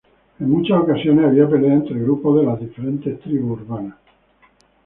En muchas ocasiones, había peleas entre grupos de las diferentes tribus urbanas.